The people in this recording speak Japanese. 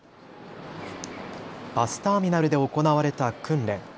バスターミナルで行われた訓練。